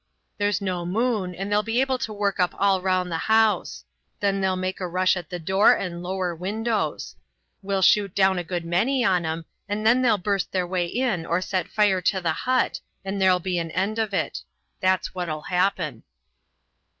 "There's no moon, and they'll be able to work up all round the house. Then they'll make a rush at the door and lower windows. We'll shoot down a good many on 'em, and then they'll burst their way in or set fire to the hut, and there'll be an end of it. That's what'll happen."